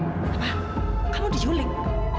apa kamu diuling